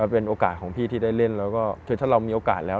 เป็นโอกาสของพี่ที่ได้เล่นแล้วก็คือถ้าเรามีโอกาสแล้ว